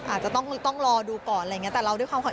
อาจจะต้องรอดูก่อนอะไรอย่างนี้แต่เราด้วยความขวัญ